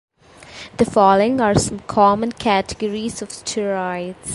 The following are some common categories of steroids.